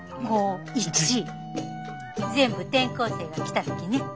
全部転校生が来た時ね。